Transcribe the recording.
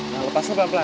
nah lepasnya pelan pelan